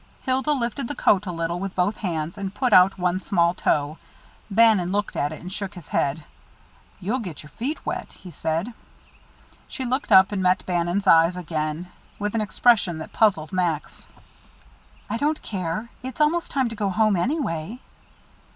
Hilda lifted the coat a little way with both hands, and put out one small toe. Bannon looked at it, and shook his head. "You'll get your feet wet," he said. She looked up and met Bannon's eyes again, with an expression that puzzled Max. "I don't care. It's almost time to go home, anyway."